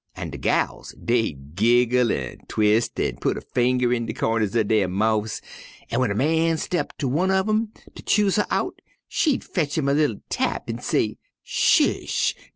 An' de gals dey'd giggle an' twis' an' putt a finger in de cornders er der moufs, an' w'en a man step up ter one uv 'em ter choose her out, she'd fetch 'im a li'l tap an' say, 'Hysh!